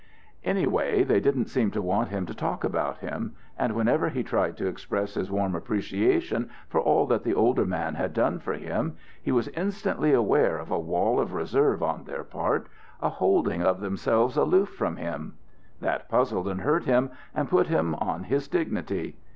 Anyway they didn't seem to want him to talk about him; and whenever he tried to express his warm appreciation for all that the older man had done for him, he was instantly aware of a wall of reserve on their part, a holding of themselves aloof from him. That puzzled and hurt him, and put him on his dignity.